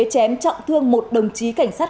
chém trọng thương một đồng chí cảnh sát